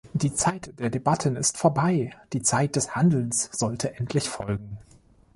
Die Zeit der Debatten ist vorbei, die Zeit des Handelns sollte endlich folgen!